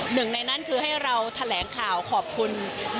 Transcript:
หนึ่งในนั้นคือให้เราแถลงข่าวขอบคุณ